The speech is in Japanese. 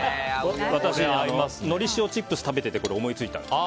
私、のり塩チップスを食べててこれを思いついたんです。